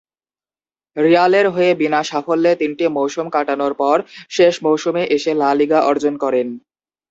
রিয়ালের হয়ে বিনা সাফল্যে তিনটি মৌসুম কাটানোর পর শেষ মৌসুমে এসে লা লিগা অর্জন করেন।